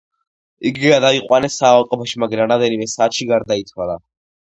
იგი გადაიყვანეს საავადმყოფოში, მაგრამ რამდენიმე საათში გარდაიცვალა.